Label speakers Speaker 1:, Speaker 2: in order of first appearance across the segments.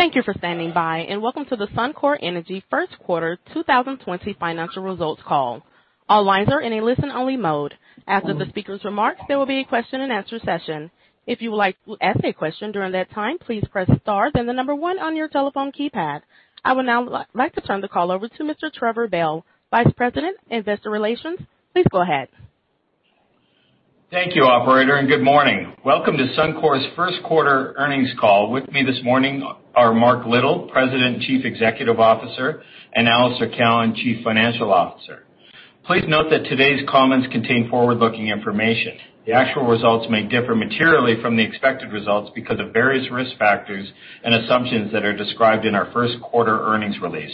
Speaker 1: Thank you for standing by, and welcome to the Suncor Energy first quarter 2020 financial results call. All lines are in a listen-only mode. After the speakers' remarks, there will be a question-and-answer session. If you would like to ask a question during that time, please press star, then the number one on your telephone keypad. I would now like to turn the call over to Mr. Trevor Bell, Vice President, Investor Relations. Please go ahead.
Speaker 2: Thank you, operator, good morning. Welcome to Suncor's first quarter earnings call. With me this morning are Mark Little, President and Chief Executive Officer, and Alister Cowan, Chief Financial Officer. Please note that today's comments contain forward-looking information. The actual results may differ materially from the expected results because of various risk factors and assumptions that are described in our first quarter earnings release,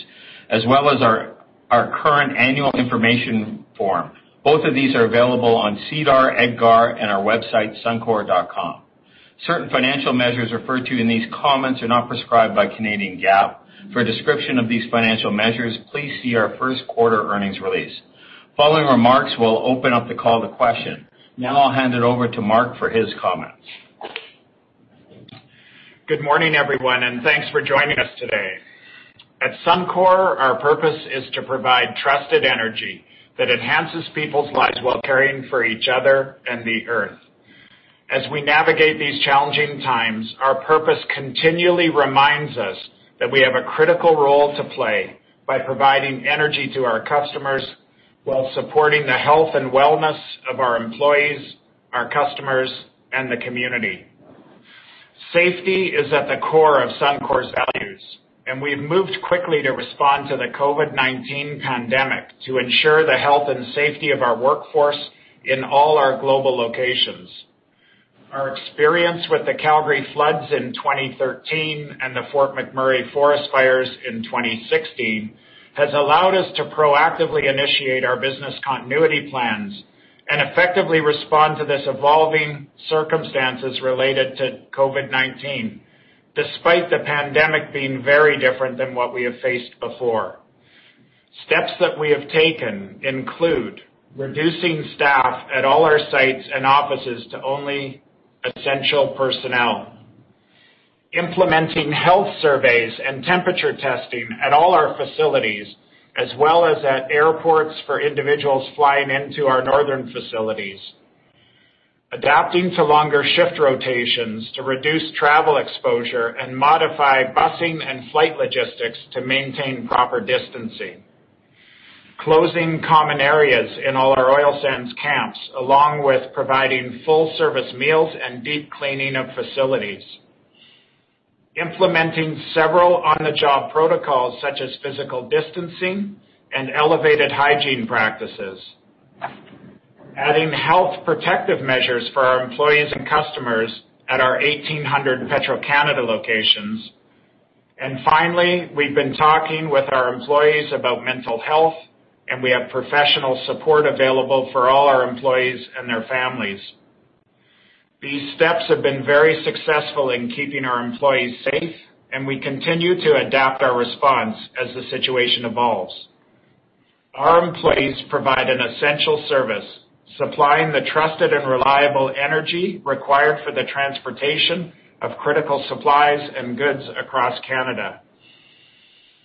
Speaker 2: as well as our current annual information form. Both of these are available on SEDAR, EDGAR, and our website, suncor.com. Certain financial measures referred to in these comments are not prescribed by Canadian GAAP. For a description of these financial measures, please see our first quarter earnings release. Following remarks, we'll open up the call to question. I'll hand it over to Mark for his comments.
Speaker 3: Good morning, everyone. Thanks for joining us today. At Suncor Energy, our purpose is to provide trusted energy that enhances people's lives while caring for each other and the Earth. As we navigate these challenging times, our purpose continually reminds us that we have a critical role to play by providing energy to our customers while supporting the health and wellness of our employees, our customers, and the community. Safety is at the core of Suncor's values, and we've moved quickly to respond to the COVID-19 pandemic to ensure the health and safety of our workforce in all our global locations. Our experience with the Calgary floods in 2013 and the Fort McMurray forest fires in 2016 has allowed us to proactively initiate our business continuity plans and effectively respond to these evolving circumstances related to COVID-19, despite the pandemic being very different than what we have faced before. Steps that we have taken include reducing staff at all our sites and offices to only essential personnel. Implementing health surveys and temperature testing at all our facilities, as well as at airports for individuals flying into our northern facilities. Adapting to longer shift rotations to reduce travel exposure and modify busing and flight logistics to maintain proper distancing. Closing common areas in all our oil sands camps, along with providing full-service meals and deep cleaning of facilities. Implementing several on-the-job protocols such as physical distancing and elevated hygiene practices. Adding health protective measures for our employees and customers at our 1,800 Petro-Canada locations. Finally, we've been talking with our employees about mental health, and we have professional support available for all our employees and their families. These steps have been very successful in keeping our employees safe, and we continue to adapt our response as the situation evolves. Our employees provide an essential service, supplying the trusted and reliable energy required for the transportation of critical supplies and goods across Canada.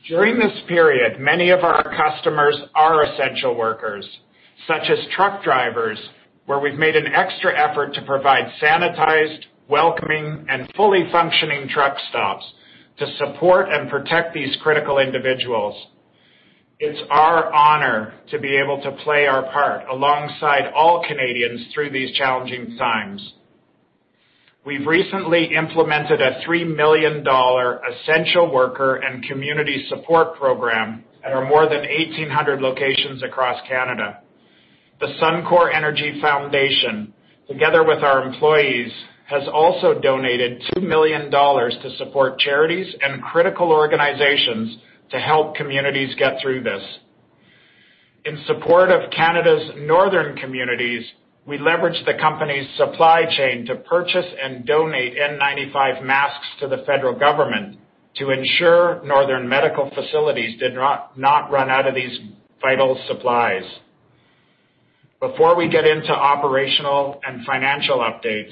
Speaker 3: During this period, many of our customers are essential workers, such as truck drivers, where we've made an extra effort to provide sanitized, welcoming, and fully functioning truck stops to support and protect these critical individuals. It's our honor to be able to play our part alongside all Canadians through these challenging times. We've recently implemented a 3 million dollar essential worker and community support program at our more than 1,800 locations across Canada. The Suncor Energy Foundation, together with our employees, has also donated 2 million dollars to support charities and critical organizations to help communities get through this. In support of Canada's northern communities, we leveraged the company's supply chain to purchase and donate N95 masks to the federal government to ensure northern medical facilities did not run out of these vital supplies. Before we get into operational and financial updates,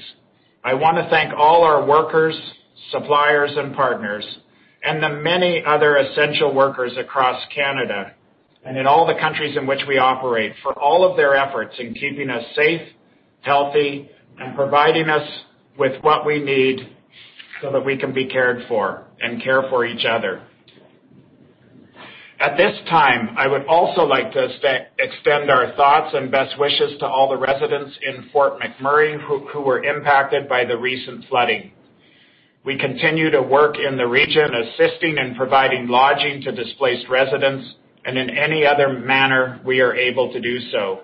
Speaker 3: I want to thank all our workers, suppliers, and partners, and the many other essential workers across Canada and in all the countries in which we operate, for all of their efforts in keeping us safe, healthy, and providing us with what we need so that we can be cared for and care for each other. At this time, I would also like to extend our thoughts and best wishes to all the residents in Fort McMurray who were impacted by the recent flooding. We continue to work in the region, assisting and providing lodging to displaced residents and in any other manner we are able to do so.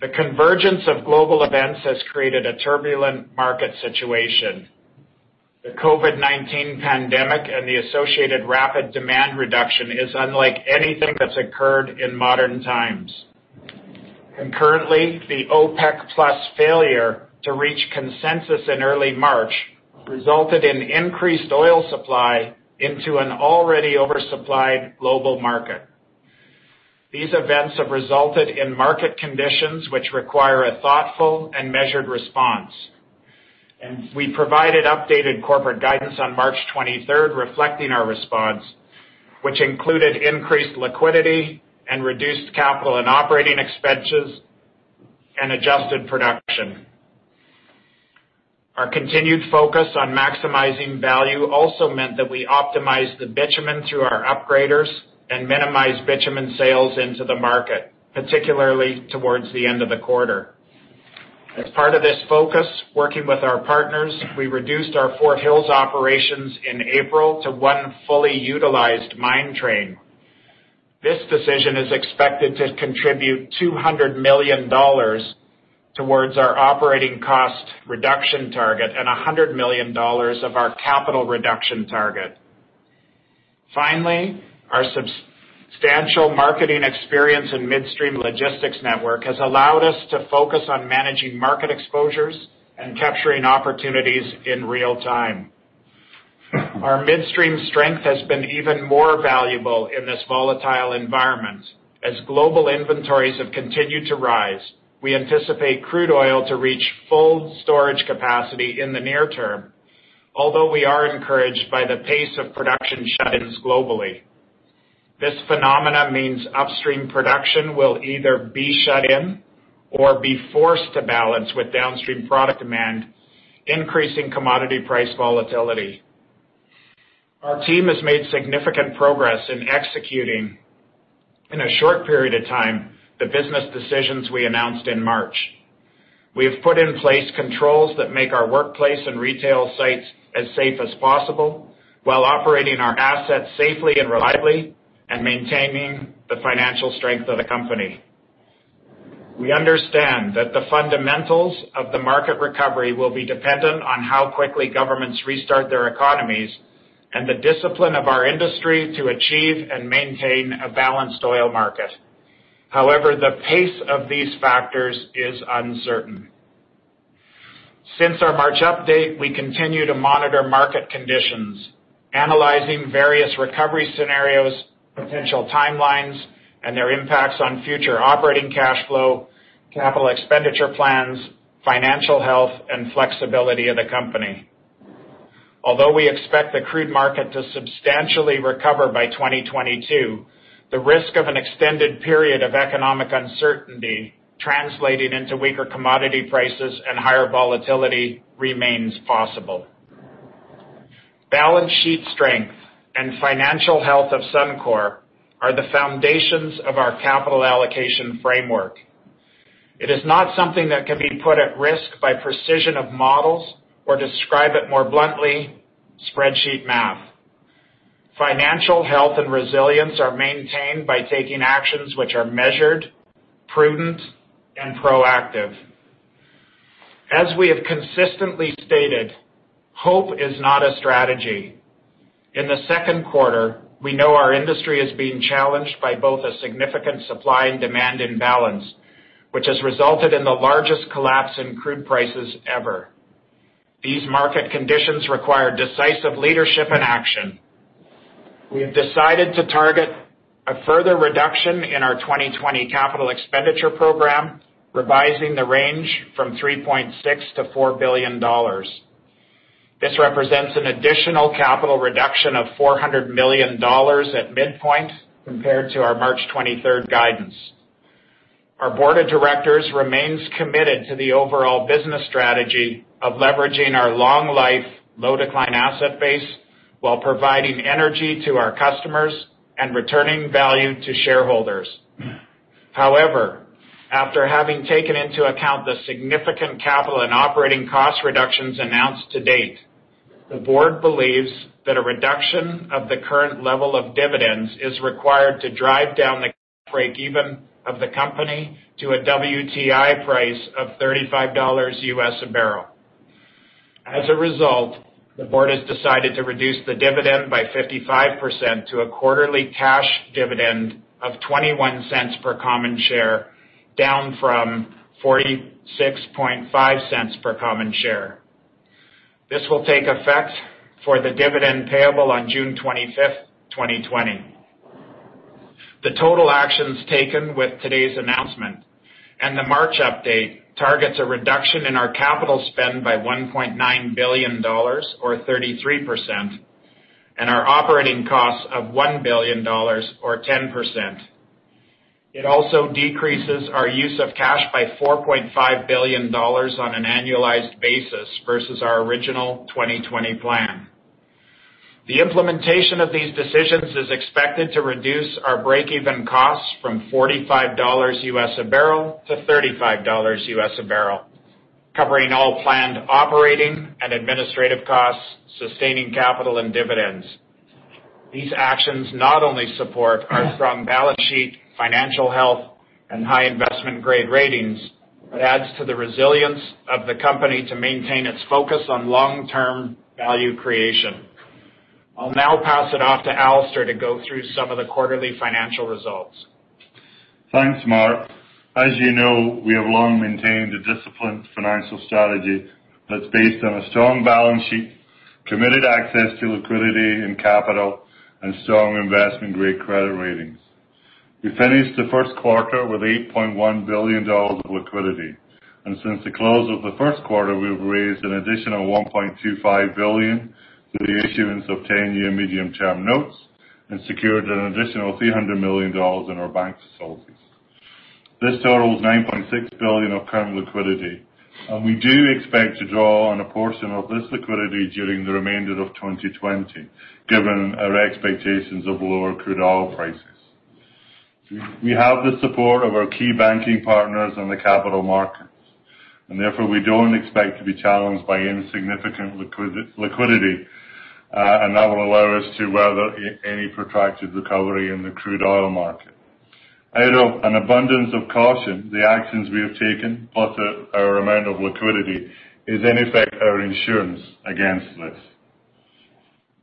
Speaker 3: The convergence of global events has created a turbulent market situation. The COVID-19 pandemic and the associated rapid demand reduction is unlike anything that's occurred in modern times. Concurrently, the OPEC Plus failure to reach consensus in early March resulted in increased oil supply into an already oversupplied global market. These events have resulted in market conditions which require a thoughtful and measured response. We provided updated corporate guidance on March 23rd reflecting our response, which included increased liquidity and reduced capital and operating expenditures and adjusted production. Our continued focus on maximizing value also meant that we optimized the bitumen through our upgraders and minimized bitumen sales into the market, particularly towards the end of the quarter. As part of this focus, working with our partners, we reduced our Fort Hills operations in April to one fully utilized mine train. This decision is expected to contribute 200 million dollars towards our operating cost reduction target and 100 million dollars of our capital reduction target. Finally, our substantial marketing experience in midstream logistics network has allowed us to focus on managing market exposures and capturing opportunities in real time. Our midstream strength has been even more valuable in this volatile environment. As global inventories have continued to rise, we anticipate crude oil to reach full storage capacity in the near term, although we are encouraged by the pace of production shutdowns globally. This phenomena means upstream production will either be shut in or be forced to balance with downstream product demand, increasing commodity price volatility. Our team has made significant progress in executing, in a short period of time, the business decisions we announced in March. We have put in place controls that make our workplace and retail sites as safe as possible while operating our assets safely and reliably and maintaining the financial strength of the company. We understand that the fundamentals of the market recovery will be dependent on how quickly governments restart their economies and the discipline of our industry to achieve and maintain a balanced oil market. However, the pace of these factors is uncertain. Since our March update, we continue to monitor market conditions, analyzing various recovery scenarios, potential timelines, and their impacts on future operating cash flow, capital expenditure plans, financial health, and flexibility of the company. Although we expect the crude market to substantially recover by 2022, the risk of an extended period of economic uncertainty translating into weaker commodity prices and higher volatility remains possible. Balance sheet strength and financial health of Suncor Energy are the foundations of our capital allocation framework. It is not something that can be put at risk by precision of models or describe it more bluntly, spreadsheet math. Financial health and resilience are maintained by taking actions which are measured, prudent, and proactive. As we have consistently stated, hope is not a strategy. In the second quarter, we know our industry is being challenged by both a significant supply and demand imbalance, which has resulted in the largest collapse in crude prices ever. These market conditions require decisive leadership and action. We have decided to target a further reduction in our 2020 capital expenditure program, revising the range from 3.6 billion-4 billion dollars. This represents an additional capital reduction of 400 million dollars at midpoint compared to our March 23rd guidance. Our board of directors remains committed to the overall business strategy of leveraging our long life, low decline asset base while providing energy to our customers and returning value to shareholders. However, after having taken into account the significant capital and operating cost reductions announced to date, the board believes that a reduction of the current level of dividends is required to drive down the break-even of the company to a WTI price of $35 US a barrel. As a result, the board has decided to reduce the dividend by 55% to a quarterly cash dividend of 0.21 per common share, down from 0.465 per common share. This will take effect for the dividend payable on June 25th, 2020. The total actions taken with today's announcement and the March update targets a reduction in our capital spend by 1.9 billion dollars or 33%, and our operating costs of 1 billion dollars or 10%. It also decreases our use of cash by 4.5 billion dollars on an annualized basis versus our original 2020 plan. The implementation of these decisions is expected to reduce our break-even costs from $45 US a barrel to $35 US a barrel, covering all planned operating and administrative costs, sustaining capital and dividends. These actions not only support our strong balance sheet, financial health, and high investment-grade ratings, but adds to the resilience of the company to maintain its focus on long-term value creation. I'll now pass it off to Alister to go through some of the quarterly financial results.
Speaker 4: Thanks, Mark. As you know, we have long maintained a disciplined financial strategy that's based on a strong balance sheet, committed access to liquidity and capital, and strong investment-grade credit ratings. We finished the first quarter with 8.1 billion dollars of liquidity. Since the close of the first quarter, we've raised an additional 1.25 billion with the issuance of 10-year medium-term notes and secured an additional 300 million dollars in our bank facilities. This totals 9.6 billion of current liquidity. We do expect to draw on a portion of this liquidity during the remainder of 2020, given our expectations of lower crude oil prices. We have the support of our key banking partners in the capital markets. Therefore, we don't expect to be challenged by any significant liquidity. That will allow us to weather any protracted recovery in the crude oil market. Out of an abundance of caution, the actions we have taken, plus our amount of liquidity, is in effect our insurance against this.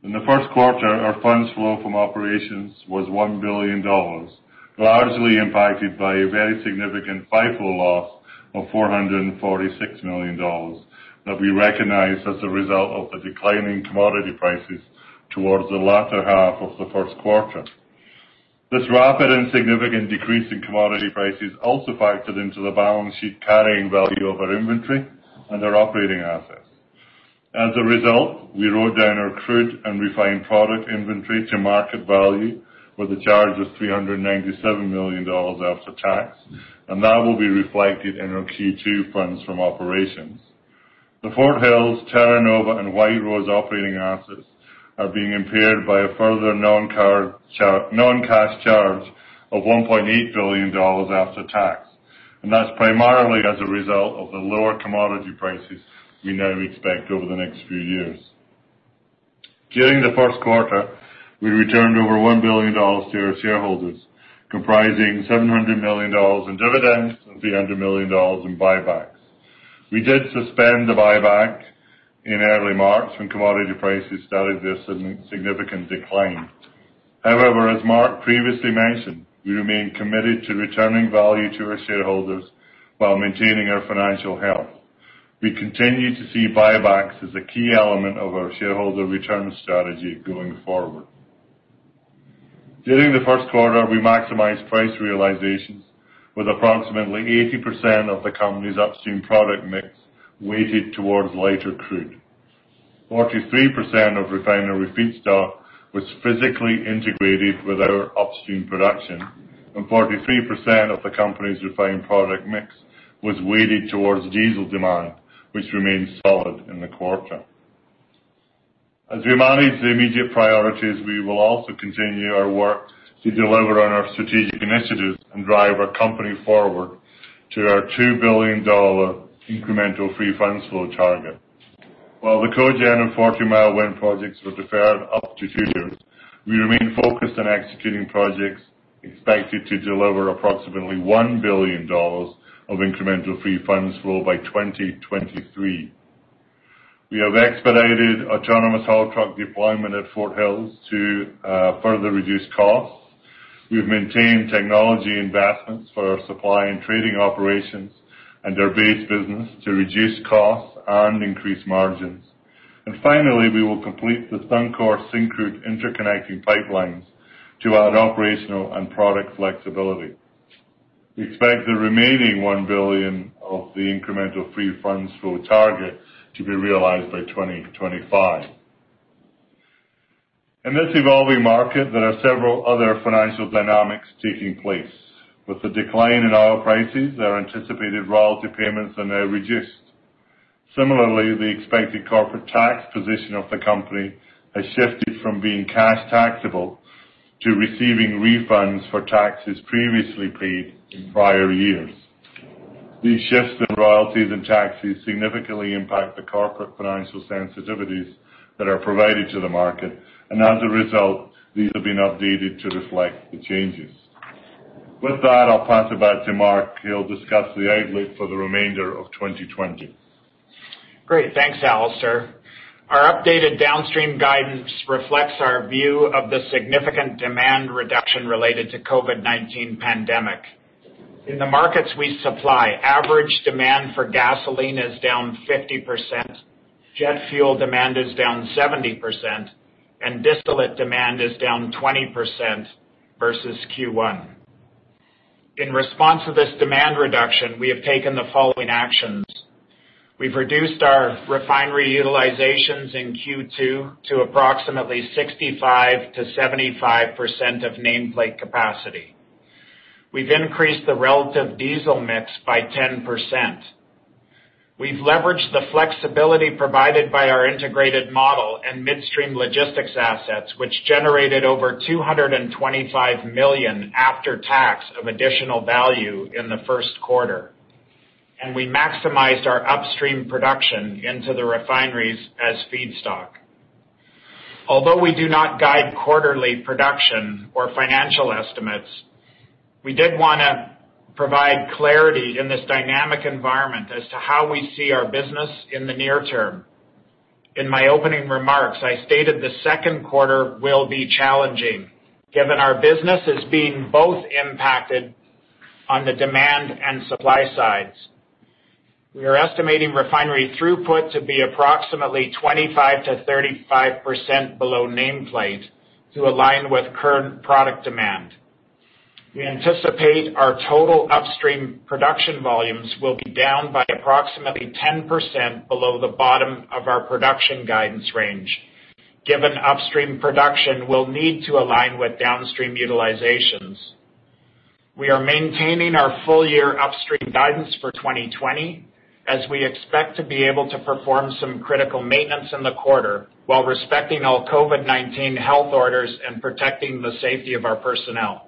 Speaker 4: In the first quarter, our funds flow from operations was 1 billion dollars, largely impacted by a very significant FIFO loss of 446 million dollars that we recognized as a result of the declining commodity prices towards the latter half of the first quarter. This rapid and significant decrease in commodity prices also factored into the balance sheet carrying value of our inventory and our operating assets. As a result, we wrote down our crude and refined product inventory to market value with a charge of 397 million dollars after tax, and that will be reflected in our Q2 funds from operations. The Fort Hills, Terra Nova, and White Rose operating assets are being impaired by a further non-cash charge of 1.8 billion dollars after tax. That's primarily as a result of the lower commodity prices we now expect over the next few years. During the first quarter, we returned over 1 billion dollars to our shareholders, comprising 700 million dollars in dividends and 300 million dollars in buybacks. We did suspend the buyback in early March when commodity prices started their significant decline. As Mark previously mentioned, we remain committed to returning value to our shareholders while maintaining our financial health. We continue to see buybacks as a key element of our shareholder return strategy going forward. During the first quarter, we maximized price realizations with approximately 80% of the company's upstream product mix weighted towards lighter crude. 43% of refinery feedstock was physically integrated with our upstream production, and 43% of the company's refined product mix was weighted towards diesel demand, which remained solid in the quarter. As we manage the immediate priorities, we will also continue our work to deliver on our strategic initiatives and drive our company forward to our 2 billion dollar incremental free funds flow target. While the CoGen and Forty Mile wind projects were deferred up to two years, we remain focused on executing projects expected to deliver approximately 1 billion dollars of incremental free funds flow by 2023. We have expedited autonomous haul truck deployment at Fort Hills to further reduce costs. We've maintained technology investments for our supply and trading operations and our base business to reduce costs and increase margins. Finally, we will complete the Suncor-Syncrude interconnecting pipelines to add operational and product flexibility. We expect the remaining 1 billion of the incremental free funds flow target to be realized by 2025. In this evolving market, there are several other financial dynamics taking place. With the decline in oil prices, our anticipated royalty payments are now reduced. Similarly, the expected corporate tax position of the company has shifted from being cash taxable to receiving refunds for taxes previously paid in prior years. These shifts in royalties and taxes significantly impact the corporate financial sensitivities that are provided to the market, and as a result, these have been updated to reflect the changes. With that, I'll pass it back to Mark. He'll discuss the outlook for the remainder of 2020.
Speaker 3: Great. Thanks, Alister. Our updated downstream guidance reflects our view of the significant demand reduction related to COVID-19 pandemic. In the markets we supply, average demand for gasoline is down 50%, jet fuel demand is down 70%, and distillate demand is down 20% versus Q1. In response to this demand reduction, we have taken the following actions. We've reduced our refinery utilizations in Q2 to approximately 65%-75% of nameplate capacity. We've increased the relative diesel mix by 10%. We've leveraged the flexibility provided by our integrated model and midstream logistics assets, which generated over 225 million after tax of additional value in the first quarter. We maximized our upstream production into the refineries as feedstock. Although we do not guide quarterly production or financial estimates, we did want to provide clarity in this dynamic environment as to how we see our business in the near term. In my opening remarks, I stated the second quarter will be challenging, given our business is being both impacted on the demand and supply sides. We are estimating refinery throughput to be approximately 25%-35% below nameplate to align with current product demand. We anticipate our total upstream production volumes will be down by approximately 10% below the bottom of our production guidance range, given upstream production will need to align with downstream utilizations. We are maintaining our full-year upstream guidance for 2020, as we expect to be able to perform some critical maintenance in the quarter while respecting all COVID-19 health orders and protecting the safety of our personnel.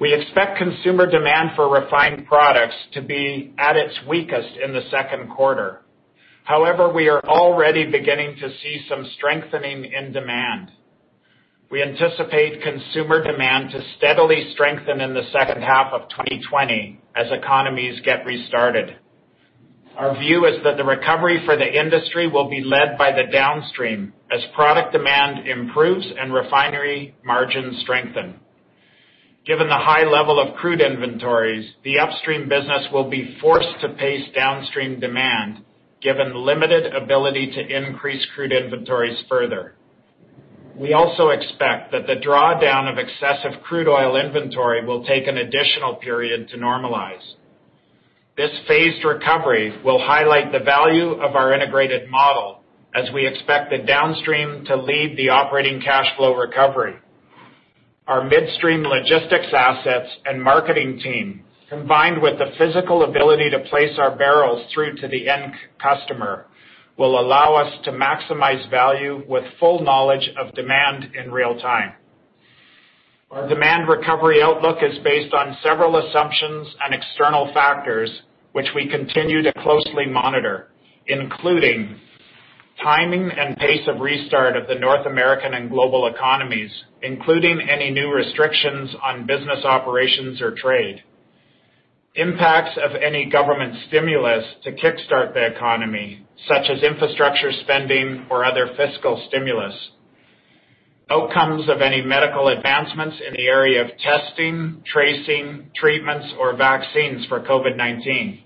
Speaker 3: We expect consumer demand for refined products to be at its weakest in the second quarter. However, we are already beginning to see some strengthening in demand. We anticipate consumer demand to steadily strengthen in the second half of 2020 as economies get restarted. Our view is that the recovery for the industry will be led by the downstream as product demand improves and refinery margins strengthen. Given the high level of crude inventories, the upstream business will be forced to pace downstream demand given limited ability to increase crude inventories further. We also expect that the drawdown of excessive crude oil inventory will take an additional period to normalize. This phased recovery will highlight the value of our integrated model as we expect the downstream to lead the operating cash flow recovery. Our midstream logistics assets and marketing team, combined with the physical ability to place our barrels through to the end customer, will allow us to maximize value with full knowledge of demand in real time. Our demand recovery outlook is based on several assumptions and external factors which we continue to closely monitor, including timing and pace of restart of the North American and global economies, including any new restrictions on business operations or trade, impacts of any government stimulus to kickstart the economy, such as infrastructure spending or other fiscal stimulus, outcomes of any medical advancements in the area of testing, tracing, treatments, or vaccines for COVID-19,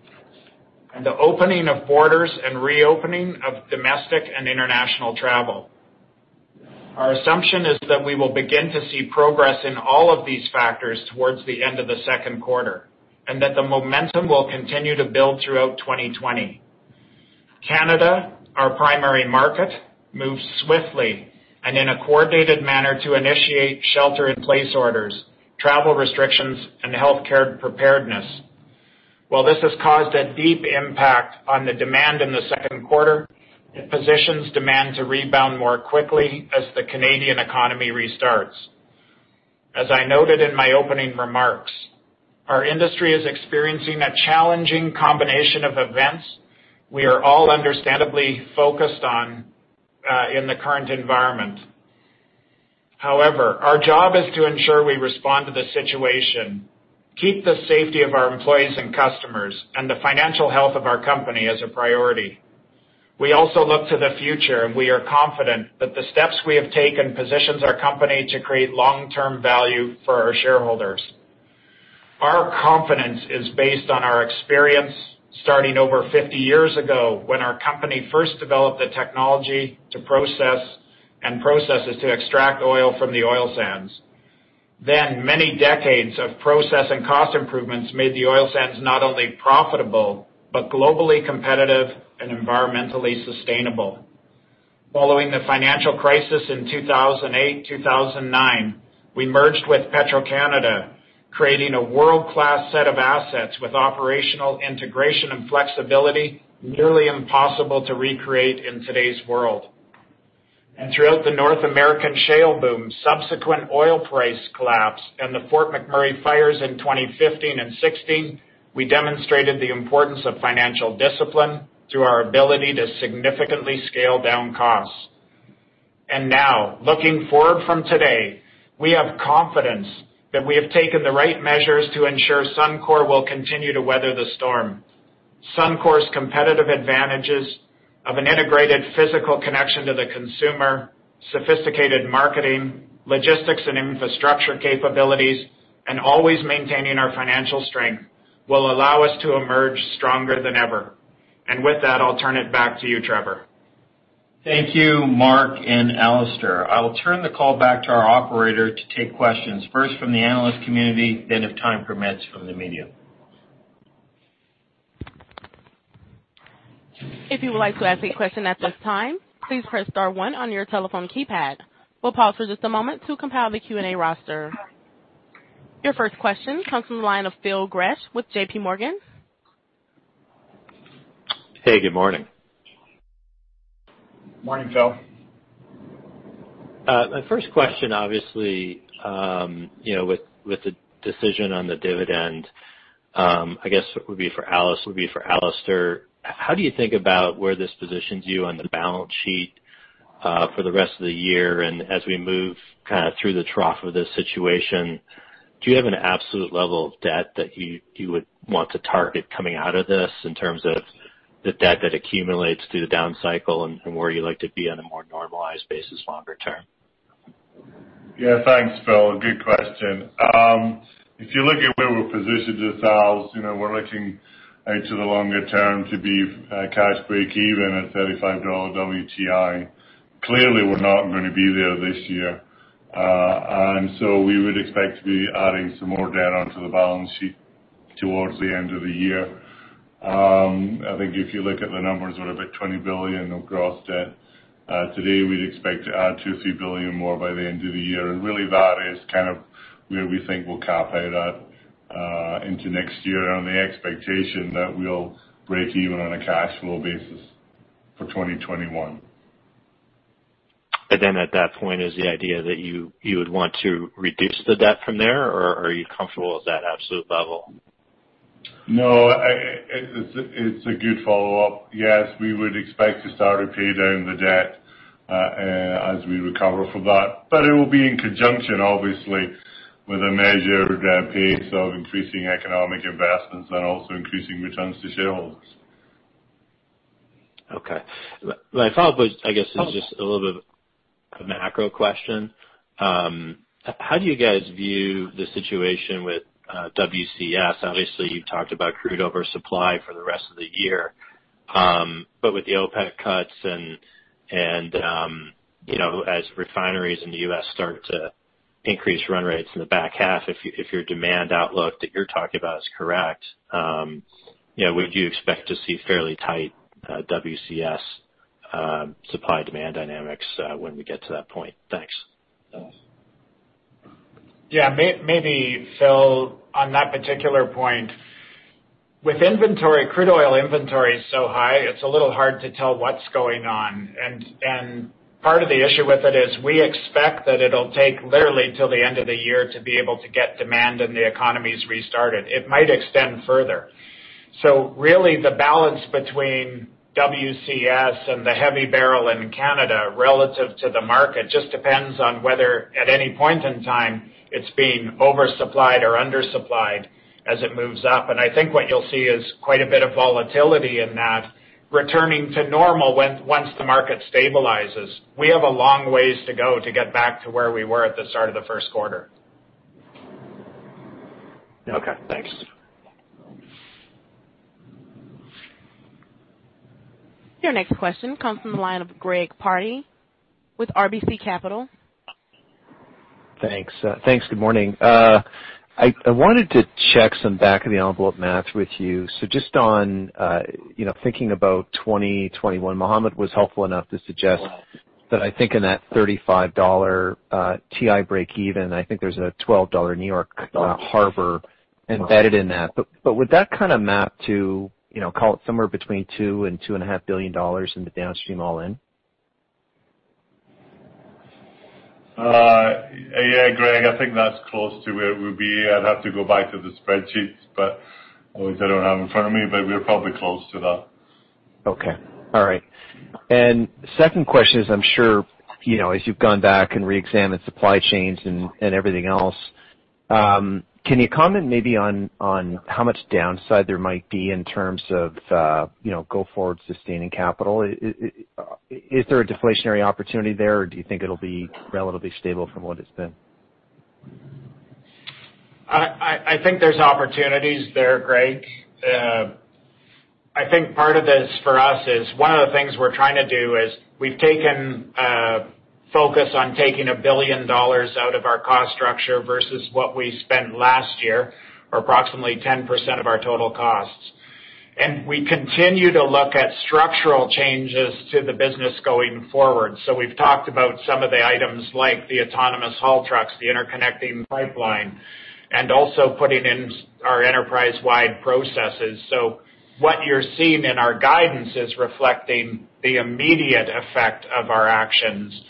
Speaker 3: and the opening of borders and reopening of domestic and international travel. Our assumption is that we will begin to see progress in all of these factors towards the end of the second quarter, and that the momentum will continue to build throughout 2020. Canada, our primary market, moves swiftly and in a coordinated manner to initiate shelter-in-place orders, travel restrictions, and healthcare preparedness. While this has caused a deep impact on the demand in the second quarter, it positions demand to rebound more quickly as the Canadian economy restarts. As I noted in my opening remarks, our industry is experiencing a challenging combination of events we are all understandably focused on in the current environment. However, our job is to ensure we respond to the situation, keep the safety of our employees and customers and the financial health of our company as a priority. We also look to the future, and we are confident that the steps we have taken positions our company to create long-term value for our shareholders. Our confidence is based on our experience starting over 50 years ago when our company first developed the technology and processes to extract oil from the oil sands. Many decades of process and cost improvements made the oil sands not only profitable, but globally competitive and environmentally sustainable. Following the financial crisis in 2008-2009, we merged with Petro-Canada, creating a world-class set of assets with operational integration and flexibility nearly impossible to recreate in today's world. Throughout the North American shale boom, subsequent oil price collapse, and the Fort McMurray fires in 2015 and 2016, we demonstrated the importance of financial discipline through our ability to significantly scale down costs. Now, looking forward from today, we have confidence that we have taken the right measures to ensure Suncor Energy will continue to weather the storm. Suncor Energy competitive advantages of an integrated physical connection to the consumer, sophisticated marketing, logistics and infrastructure capabilities, and always maintaining our financial strength, will allow us to emerge stronger than ever. With that, I'll turn it back to you, Trevor.
Speaker 2: Thank you, Mark and Alister. I will turn the call back to our operator to take questions, first from the analyst community, then if time permits, from the media.
Speaker 1: If you would like to ask a question at this time, please press star one on your telephone keypad. We'll pause for just a moment to compile the Q&A roster. Your first question comes from the line of Phil Gresh with JPMorgan.
Speaker 5: Hey, good morning.
Speaker 3: Morning, Phil.
Speaker 5: My first question, obviously, with the decision on the dividend, I guess would be for Alister. How do you think about where this positions you on the balance sheet for the rest of the year and as we move through the trough of this situation? Do you have an absolute level of debt that you would want to target coming out of this in terms of the debt that accumulates through the down cycle and where you'd like to be on a more normalized basis longer term?
Speaker 4: Yeah. Thanks, Phil. Good question. If you look at where we're positioned ourselves, we're looking out to the longer term to be cash breakeven at $35 WTI. Clearly, we're not going to be there this year. We would expect to be adding some more debt onto the balance sheet towards the end of the year. I think if you look at the numbers, we're about 20 billion of gross debt. Today, we'd expect to add 2 or 3 billion more by the end of the year. Really that is kind of where we think we'll cap out at into next year on the expectation that we'll break even on a cash flow basis for 2021.
Speaker 5: At that point is the idea that you would want to reduce the debt from there, or are you comfortable with that absolute level?
Speaker 4: It's a good follow-up. Yes, we would expect to start to pay down the debt as we recover from that. It will be in conjunction, obviously, with a measure of debt pay, so increasing economic investments and also increasing returns to shareholders.
Speaker 5: Okay. My follow-up is, I guess, is just a little bit of a macro question. How do you guys view the situation with WCS? Obviously, you've talked about crude oversupply for the rest of the year. With the OPEC cuts and as refineries in the U.S. start to increase run rates in the back half, if your demand outlook that you're talking about is correct, would you expect to see fairly tight WCS supply-demand dynamics when we get to that point? Thanks.
Speaker 4: Yes.
Speaker 3: Yeah. Maybe, Phil, on that particular point, with inventory, crude oil inventory is so high, it's a little hard to tell what's going on. Part of the issue with it is we expect that it'll take literally till the end of the year to be able to get demand in the economies restarted. It might extend further. Really, the balance between WCS and the heavy barrel in Canada relative to the market just depends on whether at any point in time it's being oversupplied or undersupplied as it moves up. I think what you'll see is quite a bit of volatility in that returning to normal once the market stabilizes. We have a long ways to go to get back to where we were at the start of the first quarter.
Speaker 5: Okay, thanks.
Speaker 1: Your next question comes from the line of Greg Pardy with RBC Capital.
Speaker 6: Thanks. Good morning. I wanted to check some back-of-the-envelope math with you. Just on thinking about 2021, Mohammed was helpful enough to suggest that I think in that $35 WTI breakeven, I think there's a $12 New York Harbor embedded in that. Would that kind of map to call it somewhere between $2 billion and $2.5 billion in the downstream all in?
Speaker 4: Yeah, Greg, I think that's close to where we'll be. I'd have to go back to the spreadsheets. Obviously I don't have them in front of me. We're probably close to that.
Speaker 6: Okay. All right. Second question is I'm sure as you've gone back and reexamined supply chains and everything else, can you comment maybe on how much downside there might be in terms of go-forward sustaining capital? Is there a deflationary opportunity there, or do you think it'll be relatively stable from what it's been?
Speaker 3: I think there's opportunities there, Greg. I think part of this for us is one of the things we're trying to do is we've taken a focus on taking 1 billion dollars out of our cost structure versus what we spent last year, or approximately 10% of our total costs. We continue to look at structural changes to the business going forward. We've talked about some of the items like the autonomous haul trucks, the interconnecting pipeline, and also putting in our enterprise-wide processes. What you're seeing in our guidance is reflecting the immediate effect of our actions.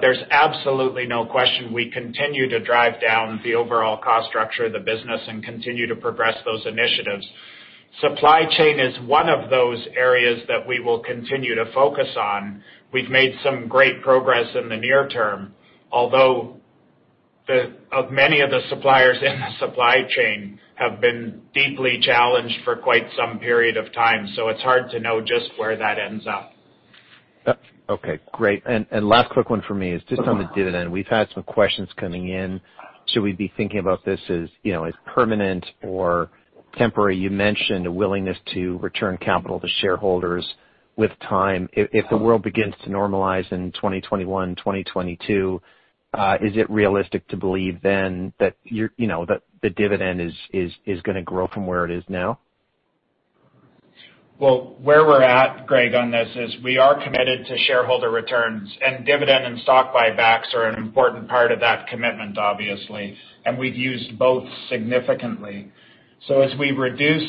Speaker 3: There's absolutely no question we continue to drive down the overall cost structure of the business and continue to progress those initiatives. Supply chain is one of those areas that we will continue to focus on. We've made some great progress in the near term, although many of the suppliers in the supply chain have been deeply challenged for quite some period of time. It's hard to know just where that ends up.
Speaker 6: Okay, great. Last quick one for me is just on the dividend. We've had some questions coming in. Should we be thinking about this as permanent or temporary? You mentioned a willingness to return capital to shareholders with time. If the world begins to normalize in 2021, 2022, is it realistic to believe then that the dividend is going to grow from where it is now?
Speaker 3: Well, where we're at, Greg, on this is we are committed to shareholder returns, dividend and stock buybacks are an important part of that commitment, obviously. We've used both significantly. As we reduce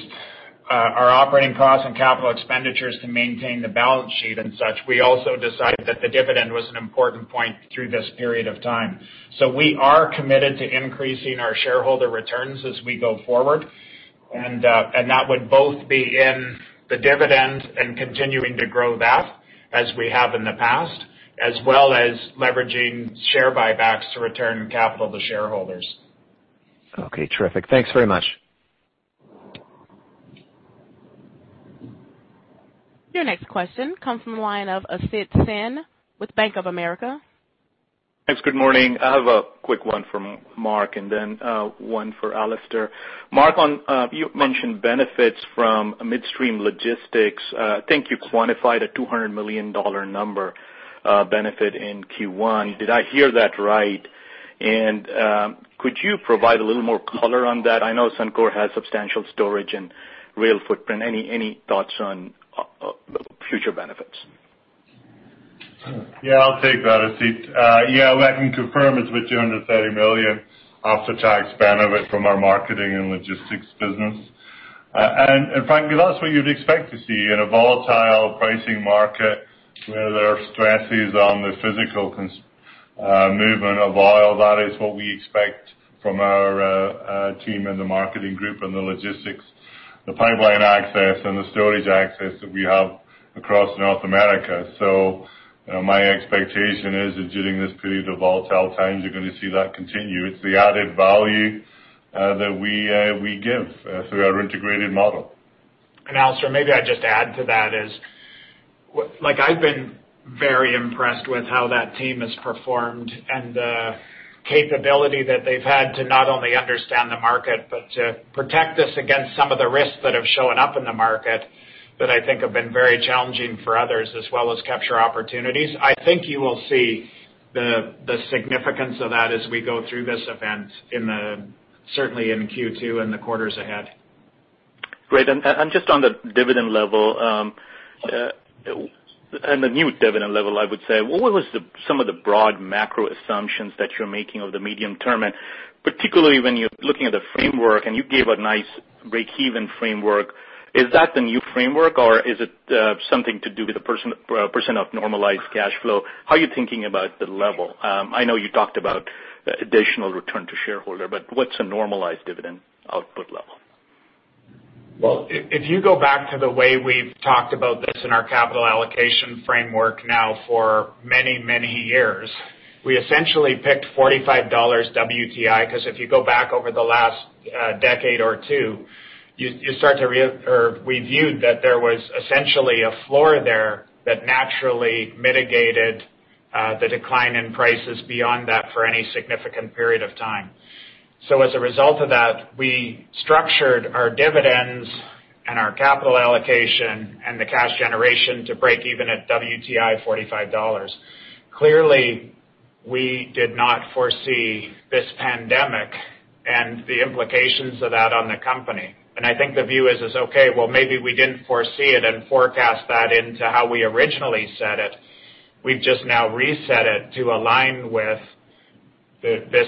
Speaker 3: our operating costs and capital expenditures to maintain the balance sheet and such, we also decided that the dividend was an important point through this period of time. We are committed to increasing our shareholder returns as we go forward, and that would both be in the dividend and continuing to grow that as we have in the past, as well as leveraging share buybacks to return capital to shareholders.
Speaker 6: Okay, terrific. Thanks very much.
Speaker 1: Your next question comes from the line of Asit Sen with Bank of America.
Speaker 7: Thanks. Good morning. I have a quick one for Mark and then one for Alister. Mark, you mentioned benefits from midstream logistics. I think you quantified a 200 million dollar number benefit in Q1. Did I hear that right? Could you provide a little more color on that? I know Suncor Energy has substantial storage and real footprint. Any thoughts on future benefits?
Speaker 4: Yeah, I'll take that, Asit. Yeah, what I can confirm is it's 230 million after-tax benefit from our marketing and logistics business. Frankly, that's what you'd expect to see in a volatile pricing market where there are stresses on the physical movement of oil. That is what we expect from our team in the marketing group and the logistics, the pipeline access, and the storage access that we have across North America. My expectation is that during this period of volatile times, you're going to see that continue. It's the added value that we give through our integrated model.
Speaker 3: Alister, maybe I just add to that, I've been very impressed with how that team has performed and the capability that they've had to not only understand the market but to protect us against some of the risks that have shown up in the market that I think have been very challenging for others, as well as capture opportunities. I think you will see the significance of that as we go through this event certainly in Q2 and the quarters ahead.
Speaker 7: Great. Just on the dividend level, on the new dividend level, I would say, what was some of the broad macro assumptions that you're making of the medium term? Particularly when you're looking at the framework and you gave a nice break-even framework, is that the new framework or is it something to do with the percent of normalized cash flow? How are you thinking about the level? I know you talked about additional return to shareholder, but what's a normalized dividend output level?
Speaker 3: Well, if you go back to the way we've talked about this in our capital allocation framework now for many years, we essentially picked $45 WTI because if you go back over the last decade or two, we viewed that there was essentially a floor there that naturally mitigated the decline in prices beyond that for any significant period of time. As a result of that, we structured our dividends and our capital allocation and the cash generation to break even at WTI $45. Clearly, we did not foresee this pandemic and the implications of that on the company. I think the view is, okay, well, maybe we didn't foresee it and forecast that into how we originally set it. We've just now reset it to align with this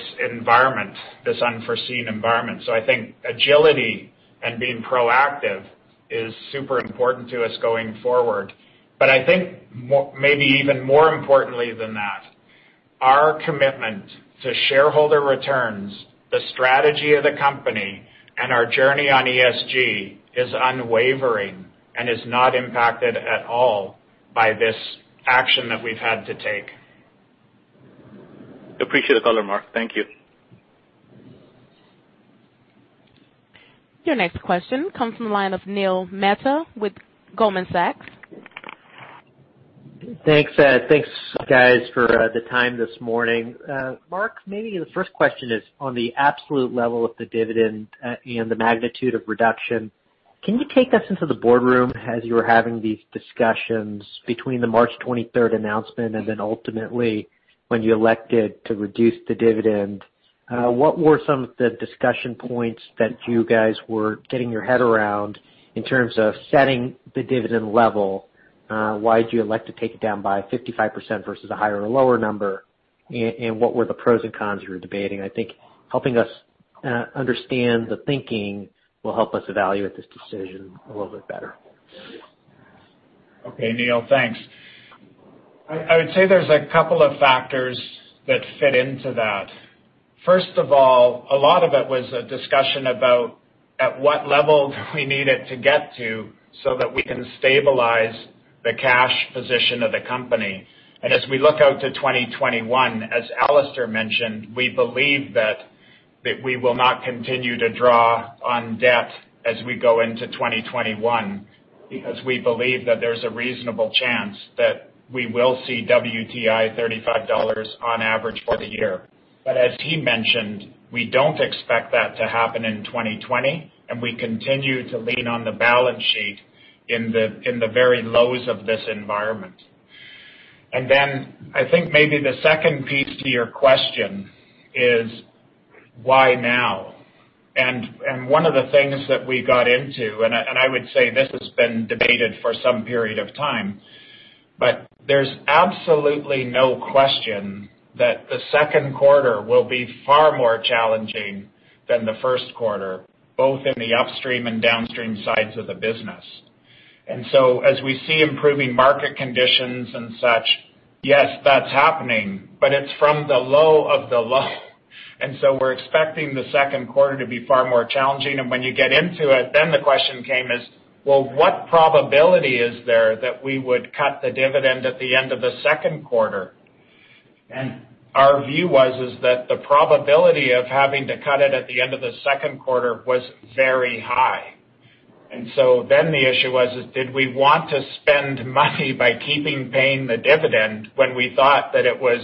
Speaker 3: unforeseen environment. I think agility and being proactive is super important to us going forward. I think maybe even more importantly than that, our commitment to shareholder returns, the strategy of the company, and our journey on ESG is unwavering and is not impacted at all by this action that we've had to take.
Speaker 7: Appreciate the color, Mark. Thank you.
Speaker 1: Your next question comes from the line of Neil Mehta with Goldman Sachs.
Speaker 8: Thanks, guys, for the time this morning. Mark, maybe the first question is on the absolute level of the dividend and the magnitude of reduction. Can you take us into the boardroom as you were having these discussions between the March 23rd announcement and then ultimately when you elected to reduce the dividend? What were some of the discussion points that you guys were getting your head around in terms of setting the dividend level? Why'd you elect to take it down by 55% versus a higher or lower number? What were the pros and cons you were debating? I think helping us understand the thinking will help us evaluate this decision a little bit better.
Speaker 3: Okay, Neil, thanks. I would say there's a couple of factors that fit into that. First of all, a lot of it was a discussion about at what level do we need it to get to so that we can stabilize the cash position of the company. As we look out to 2021, as Alister mentioned, we believe that we will not continue to draw on debt as we go into 2021 because we believe that there's a reasonable chance that we will see WTI $35 on average for the year. As he mentioned, we don't expect that to happen in 2020. We continue to lean on the balance sheet in the very lows of this environment. I think maybe the second piece to your question is why now? One of the things that we got into, I would say this has been debated for some period of time, there's absolutely no question that the second quarter will be far more challenging than the first quarter, both in the upstream and downstream sides of the business. As we see improving market conditions and such, yes, that's happening, it's from the low of the low. We're expecting the second quarter to be far more challenging, when you get into it, the question came as, well, what probability is there that we would cut the dividend at the end of the second quarter? Our view was is that the probability of having to cut it at the end of the second quarter was very high. The issue was is, did we want to spend money by keeping paying the dividend when we thought that it was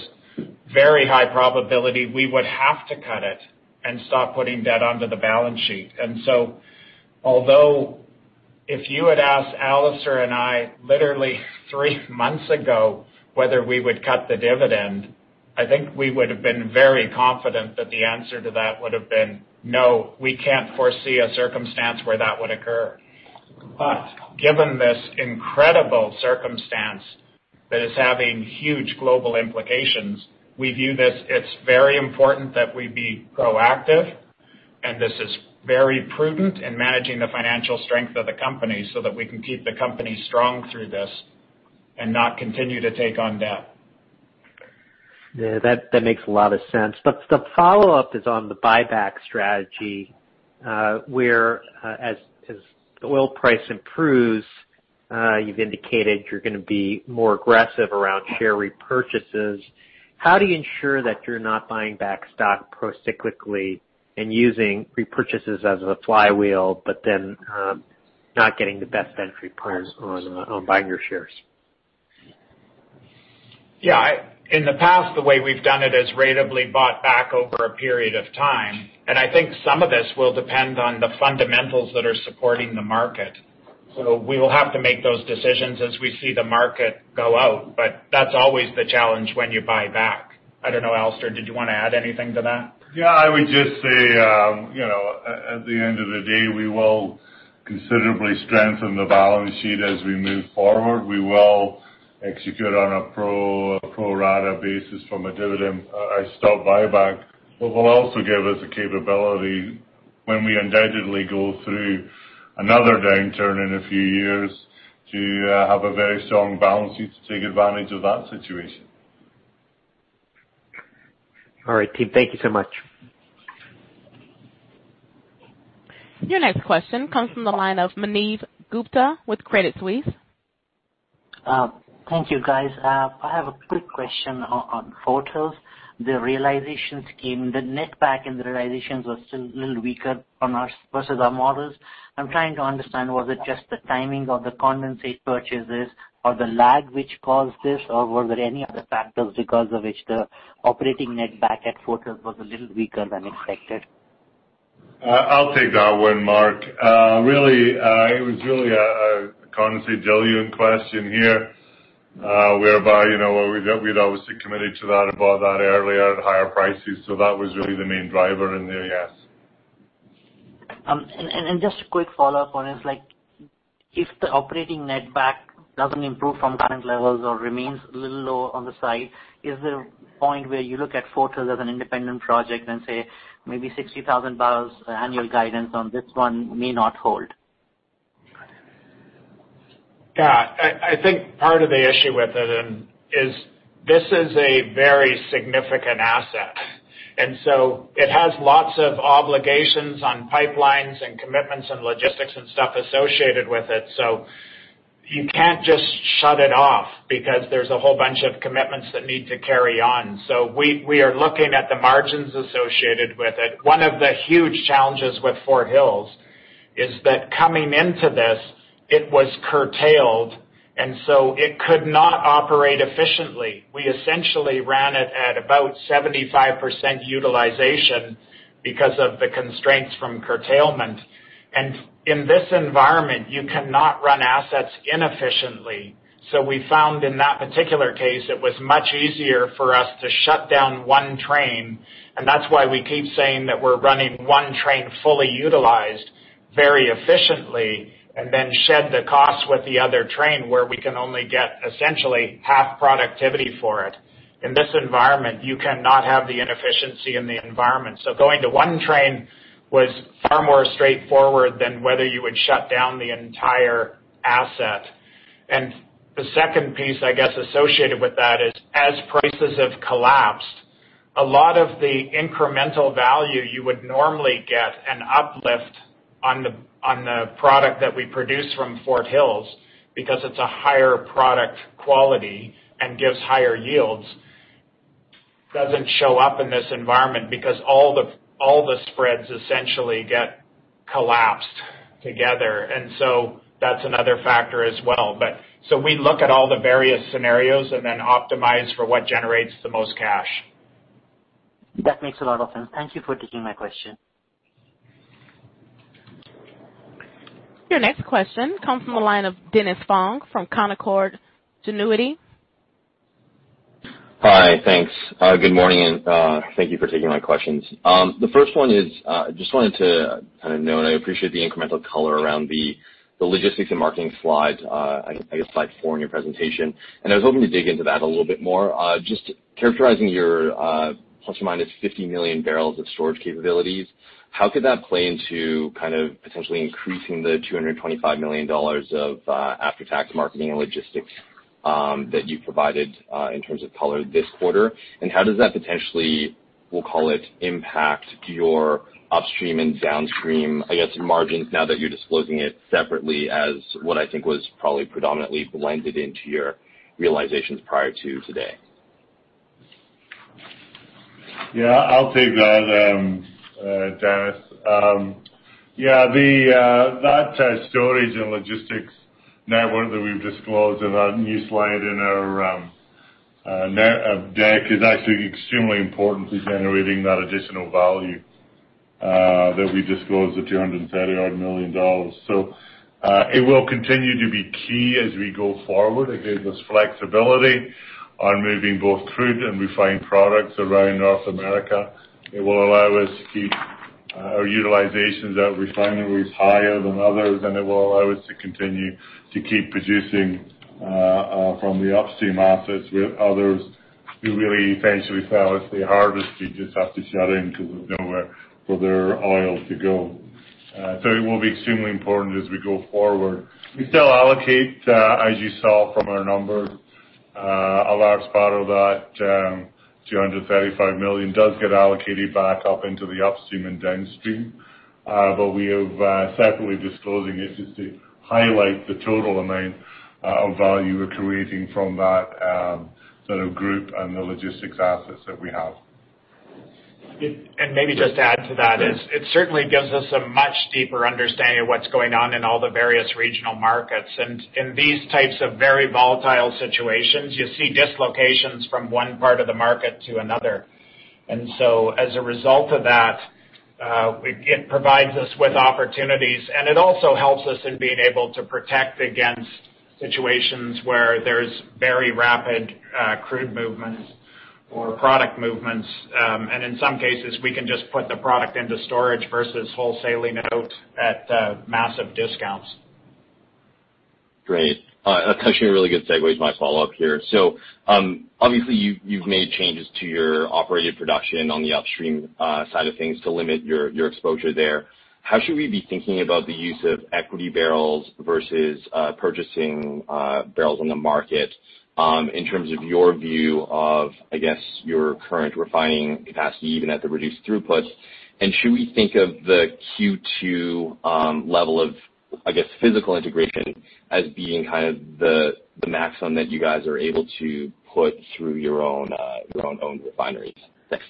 Speaker 3: very high probability we would have to cut it and stop putting debt under the balance sheet? Although if you had asked Alister and I literally three months ago whether we would cut the dividend, I think we would have been very confident that the answer to that would have been, "No, we can't foresee a circumstance where that would occur." Given this incredible circumstance that is having huge global implications, we view this, it's very important that we be proactive, and this is very prudent in managing the financial strength of the company so that we can keep the company strong through this and not continue to take on debt.
Speaker 8: Yeah, that makes a lot of sense. The follow-up is on the buyback strategy, where, as the oil price improves, you've indicated you're gonna be more aggressive around share repurchases. How do you ensure that you're not buying back stock procyclically and using repurchases as a flywheel, but then, not getting the best entry point on buying your shares?
Speaker 3: Yeah. In the past, the way we've done it is ratably bought back over a period of time. I think some of this will depend on the fundamentals that are supporting the market. We will have to make those decisions as we see the market go out, but that's always the challenge when you buy back. I don't know, Alister, did you want to add anything to that?
Speaker 4: Yeah. I would just say, at the end of the day, we will considerably strengthen the balance sheet as we move forward. We will execute on a pro rata basis from a dividend, a stock buyback. It will also give us the capability when we undoubtedly go through another downturn in a few years to have a very strong balance sheet to take advantage of that situation.
Speaker 8: All right, team. Thank you so much.
Speaker 1: Your next question comes from the line of Manav Gupta with Credit Suisse.
Speaker 9: Thank you, guys. I have a quick question on Fort Hills. The realization scheme, the net back and the realizations were still a little weaker versus our models. I'm trying to understand, was it just the timing of the condensate purchases or the lag which caused this, or were there any other factors because of which the operating net back at Fort Hills was a little weaker than expected?
Speaker 4: I'll take that one, Mark. It was really a condensate diluent question here, whereby, we'd obviously committed to that and bought that earlier at higher prices. That was really the main driver in there, yes.
Speaker 9: Just a quick follow-up on this. If the operating net back doesn't improve from current levels or remains a little low on the side, is there a point where you look at Fort Hills as an independent project and say maybe 60,000 annual guidance on this one may not hold?
Speaker 3: I think part of the issue with it is this is a very significant asset. It has lots of obligations on pipelines and commitments and logistics and stuff associated with it. You can't just shut it off because there's a whole bunch of commitments that need to carry on. We are looking at the margins associated with it. One of the huge challenges with Fort Hills is that coming into this, it was curtailed, and so it could not operate efficiently. We essentially ran it at about 75% utilization because of the constraints from curtailment. In this environment, you cannot run assets inefficiently. We found in that particular case, it was much easier for us to shut down one train, and that's why we keep saying that we're running one train fully utilized very efficiently and then shed the cost with the other train where we can only get essentially half productivity for it. In this environment, you cannot have the inefficiency in the environment. Going to one train was far more straightforward than whether you would shut down the entire asset. The second piece, I guess, associated with that is, as prices have collapsed, a lot of the incremental value you would normally get an uplift on the product that we produce from Fort Hills because it's a higher product quality and gives higher yields, doesn't show up in this environment because all the spreads essentially get collapsed together. That's another factor as well. We look at all the various scenarios and then optimize for what generates the most cash.
Speaker 9: That makes a lot of sense. Thank you for taking my question.
Speaker 1: Your next question comes from the line of Dennis Fong from Canaccord Genuity.
Speaker 10: Hi. Thanks. Good morning, and thank you for taking my questions. The first one is, just wanted to kind of note, I appreciate the incremental color around the logistics and marketing slides, I guess slide four in your presentation. I was hoping to dig into that a little bit more. Just characterizing your ±50 million barrels of storage capabilities, how could that play into kind of potentially increasing the 225 million dollars of after-tax marketing and logistics that you provided in terms of color this quarter? How does that potentially, we'll call it, impact your upstream and downstream, I guess, margins now that you're disclosing it separately as what I think was probably predominantly blended into your realizations prior to today.
Speaker 4: Yeah, I'll take that, Dennis. Yeah, that storage and logistics network that we've disclosed in our new slide in our deck is actually extremely important to generating that additional value that we disclosed, the 230-odd million dollars. It will continue to be key as we go forward. It gives us flexibility on moving both crude and refined products around North America. It will allow us to keep our utilizations at refineries higher than others, and it will allow us to continue to keep producing from the upstream assets, where others who really face refinery as they harvest, you just have to shut in because there's nowhere for their oil to go. It will be extremely important as we go forward. We still allocate, as you saw from our numbers, a large part of that 235 million does get allocated back up into the upstream and downstream. We have separately disclosing it just to highlight the total amount of value we're creating from that sort of group and the logistics assets that we have.
Speaker 3: Maybe just to add to that is it certainly gives us a much deeper understanding of what's going on in all the various regional markets. In these types of very volatile situations, you see dislocations from one part of the market to another. As a result of that, it provides us with opportunities and it also helps us in being able to protect against situations where there's very rapid crude movements or product movements. In some cases, we can just put the product into storage versus wholesaling it out at massive discounts.
Speaker 10: Great. That's actually a really good segue to my follow-up here. Obviously, you've made changes to your operated production on the upstream side of things to limit your exposure there. How should we be thinking about the use of equity barrels versus purchasing barrels on the market in terms of your view of, I guess, your current refining capacity, even at the reduced throughputs? Should we think of the Q2 level of, I guess, physical integration as being kind of the maximum that you guys are able to put through your own owned refineries? Thanks.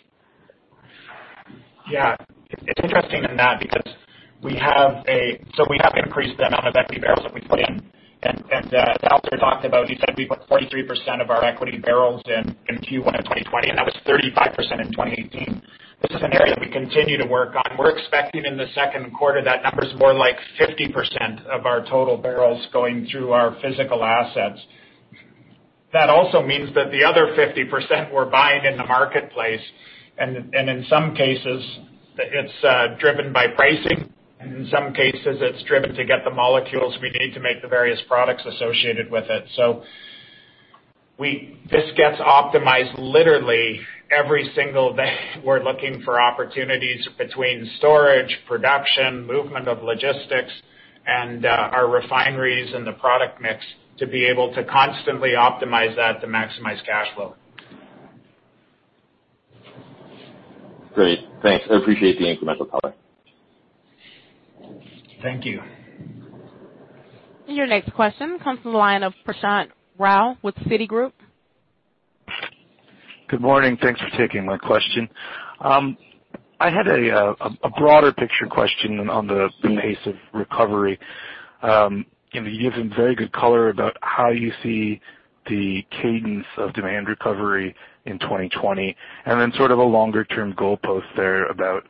Speaker 3: Yeah. It's interesting in that because we have increased the amount of equity barrels that we put in, and as Alister talked about, he said we put 43% of our equity barrels in Q1 of 2020, and that was 35% in 2018. This is an area we continue to work on. We're expecting in the second quarter that number's more like 50% of our total barrels going through our physical assets. That also means that the other 50% we're buying in the marketplace, and in some cases, it's driven by pricing, and in some cases, it's driven to get the molecules we need to make the various products associated with it. This gets optimized literally every single day. We're looking for opportunities between storage, production, movement of logistics, and our refineries and the product mix to be able to constantly optimize that to maximize cash flow.
Speaker 10: Great. Thanks. I appreciate the incremental color.
Speaker 3: Thank you.
Speaker 1: Your next question comes from the line of Prashant Rao with Citigroup.
Speaker 11: Good morning. Thanks for taking my question. I had a broader picture question on the pace of recovery. You've given very good color about how you see the cadence of demand recovery in 2020, and then sort of a longer-term goalpost there about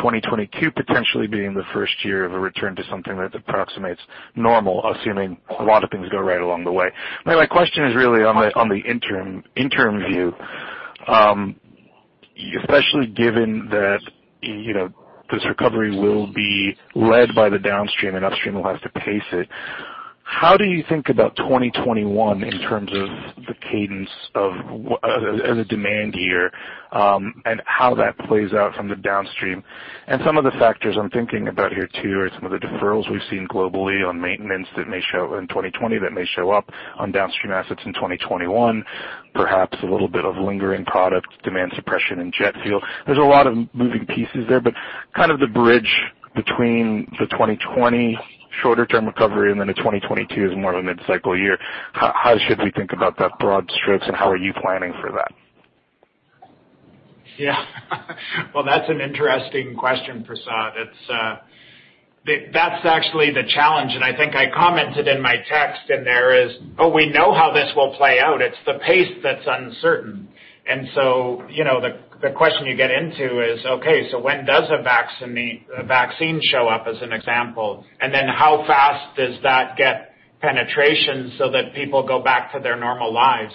Speaker 11: 2022 potentially being the first year of a return to something that approximates normal, assuming a lot of things go right along the way. My question is really on the interim view, especially given that this recovery will be led by the downstream and upstream will have to pace it. How do you think about 2021 in terms of the cadence of the demand year and how that plays out from the downstream? And some of the factors I'm thinking about here too are some of the deferrals we've seen globally on maintenance that may show in 2020, that may show up on downstream assets in 2021. Perhaps a little bit of lingering product demand suppression in jet fuel. There's a lot of moving pieces there, but kind of the bridge between the 2020 shorter-term recovery and then a 2022 is more of a mid-cycle year. How should we think about that broad strokes, and how are you planning for that?
Speaker 3: Yeah. Well, that's an interesting question, Prashant. That's actually the challenge, and I think I commented in my text in there is, oh, we know how this will play out. It's the pace that's uncertain. The question you get into is, okay, so when does a vaccine show up, as an example? How fast does that get penetration so that people go back to their normal lives?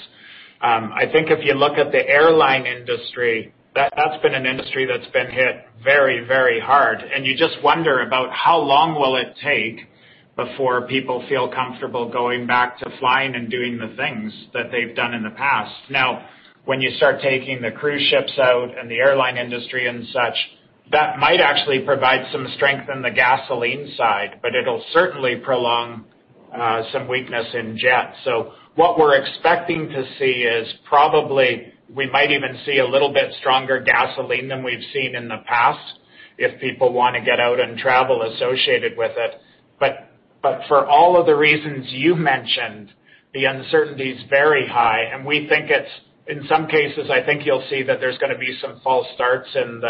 Speaker 3: I think if you look at the airline industry, that's been an industry that's been hit very, very hard, and you just wonder about how long will it take before people feel comfortable going back to flying and doing the things that they've done in the past. When you start taking the cruise ships out and the airline industry and such, that might actually provide some strength in the gasoline side, but it'll certainly prolong some weakness in jet. What we're expecting to see is probably we might even see a little bit stronger gasoline than we've seen in the past if people want to get out and travel associated with it. For all of the reasons you mentioned, the uncertainty is very high and in some cases, I think you'll see that there's going to be some false starts in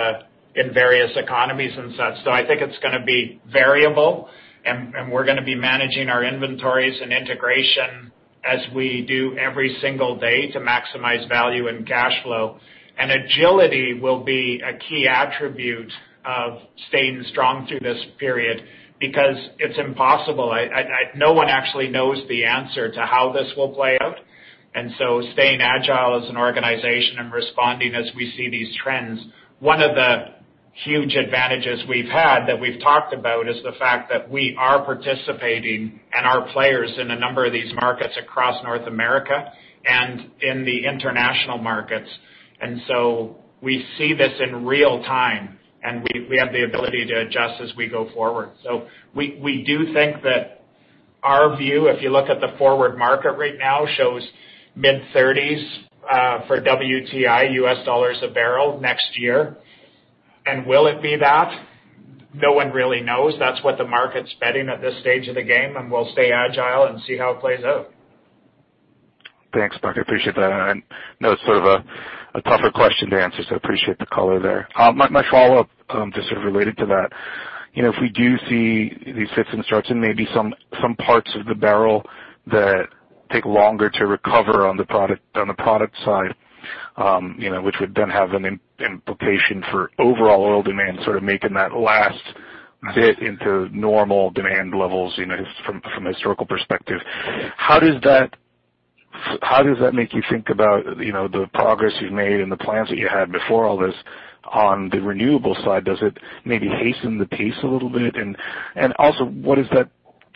Speaker 3: various economies and such. I think it's going to be variable and we're going to be managing our inventories and integration as we do every single day to maximize value and cash flow. Agility will be a key attribute of staying strong through this period because it's impossible. No one actually knows the answer to how this will play out. Staying agile as an organization and responding as we see these trends. One of the huge advantages we've had that we've talked about is the fact that we are participating and are players in a number of these markets across North America and in the international markets. We see this in real time and we have the ability to adjust as we go forward. We do think that our view, if you look at the forward market right now, shows mid-30s for WTI U.S. dollars a barrel next year. Will it be that? No one really knows. That's what the market's betting at this stage of the game, and we'll stay agile and see how it plays out.
Speaker 11: Thanks, Mark. I appreciate that. I know it's sort of a tougher question to answer, so appreciate the color there. My follow-up, just sort of related to that, if we do see these fits and starts and maybe some parts of the barrel that take longer to recover on the product side which would then have an implication for overall oil demand, sort of making that last bit into normal demand levels from a historical perspective, how does that make you think about the progress you've made and the plans that you had before all this on the renewable side? Does it maybe hasten the pace a little bit? Also,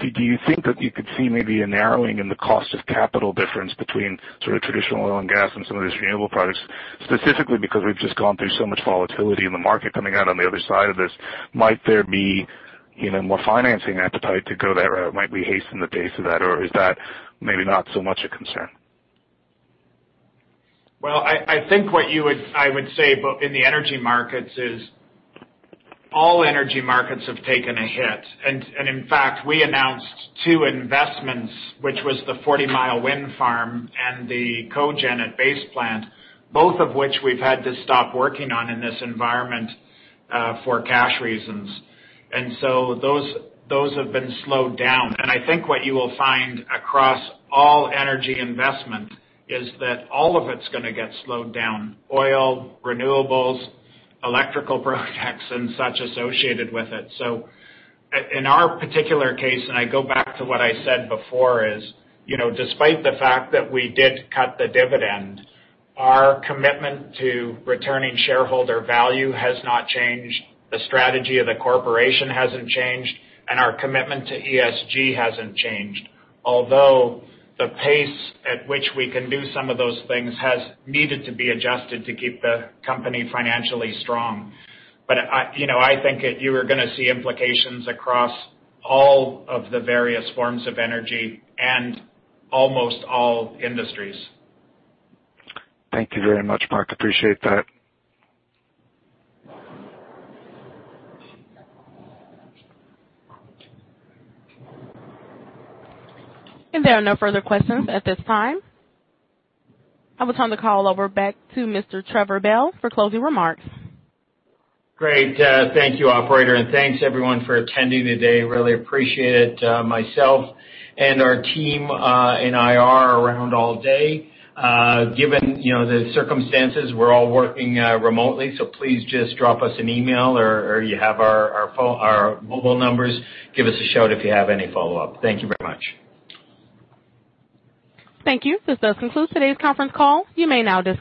Speaker 11: do you think that you could see maybe a narrowing in the cost of capital difference between sort of traditional oil and gas and some of these renewable products? Specifically because we've just gone through so much volatility in the market coming out on the other side of this. Might there be more financing appetite to go that route? Might we hasten the pace of that or is that maybe not so much a concern?
Speaker 3: Well, I think what I would say in the energy markets is all energy markets have taken a hit. In fact, we announced two investments, which was the Forty Mile Wind Farm and the CoGen at Base Plant, both of which we've had to stop working on in this environment for cash reasons. So those have been slowed down. I think what you will find across all energy investment is that all of it's going to get slowed down, oil, renewables, electrical projects and such associated with it. In our particular case, I go back to what I said before, is despite the fact that we did cut the dividend, our commitment to returning shareholder value has not changed, the strategy of the corporation hasn't changed, our commitment to ESG hasn't changed, although the pace at which we can do some of those things has needed to be adjusted to keep the company financially strong. I think you are going to see implications across all of the various forms of energy and almost all industries.
Speaker 11: Thank you very much, Mark. Appreciate that.
Speaker 1: There are no further questions at this time. I will turn the call over back to Mr. Trevor Bell for closing remarks.
Speaker 2: Great. Thank you, operator, and thanks everyone for attending today. Really appreciate it. Myself and our team in IR are around all day. Given the circumstances, we're all working remotely, so please just drop us an email or you have our mobile numbers. Give us a shout if you have any follow-up. Thank you very much.
Speaker 1: Thank you. This does conclude today's conference call. You may now disconnect.